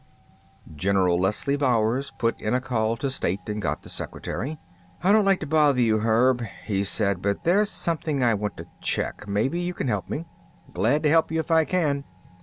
General Leslie Bowers put in a call to State and got the secretary. "I don't like to bother you, Herb," he said, "but there's something I want to check. Maybe you can help me." "Glad to help you if I can."